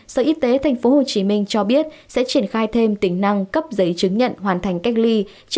sở y tế tp hcm cho biết sẽ triển khai thêm tính năng cấp giấy chứng nhận hoàn thành cách ly